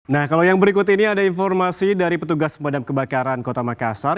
nah kalau yang berikut ini ada informasi dari petugas pemadam kebakaran kota makassar